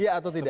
iya atau tidak